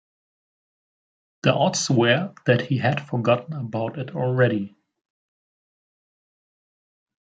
The odds were that he had forgotten about it already.